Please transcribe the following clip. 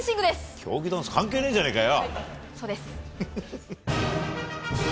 競技ダンス関係ねえじゃねえかよ！